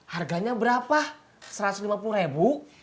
harganya berapa satu ratus lima puluh ribu